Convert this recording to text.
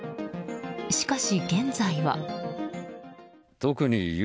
しかし、現在は。